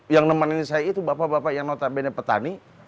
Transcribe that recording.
yang nemenin saya itu bapak bapak yang notabene petani